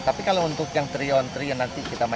tapi kalau untuk yang tiga on tiga nanti kita masukan